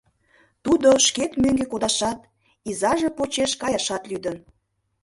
Тудо шкет мӧҥгӧ кодашат, изаже почеш каяшат лӱдын.